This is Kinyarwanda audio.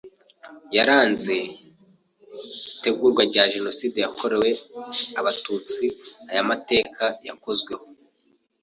yaranze itegurwa rya Jenoside yakorewe Abatutsi aya mateka yakozweho